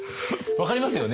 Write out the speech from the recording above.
分かりますよね。